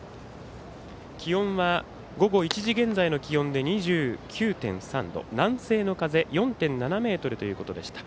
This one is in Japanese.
気温は午後１時現在の気温で２９．３度、南西の風４．７メートルということでした。